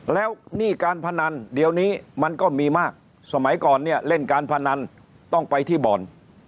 แล้วหนี้การพนันเดี๋ยวนี้มันก็มีมากสมัยก่อนเนี่ยเล่นการพนันต้องไปที่บ่อน